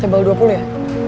sebelah dua puluh ya